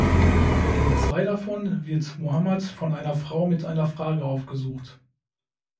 In zwei davon wird Muḥammad von einer Frau mit einer Frage aufgesucht.